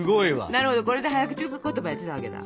なるほどこれで早口ことばやってたわけだ。